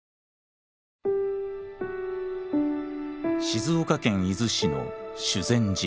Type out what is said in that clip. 静岡県伊豆市の修善寺。